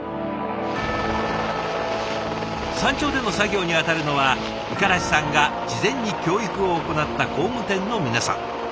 山頂での作業に当たるのは五十嵐さんが事前に教育を行った工務店の皆さん。